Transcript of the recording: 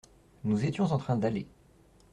Nous étions en train d’aller.